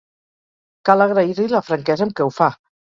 Cal agrair-li la franquesa amb què ho fa